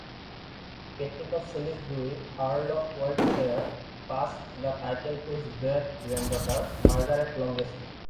Patrick of Salisbury, Earl of Wiltshire, passed the title to his great-granddaughter Margaret Longespee.